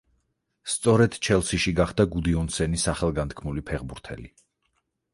სწორედ „ჩელსიში“ გახდა გუდიონსენი სახელგანთქმული ფეხბურთელი.